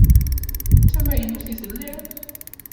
D tamaynut i telliḍ?